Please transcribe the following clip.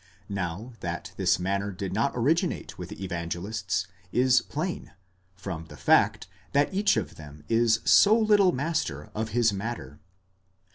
Now, that this manner did not originate with the Evangelists is plain from the fact, that each of them is so little master of his matter.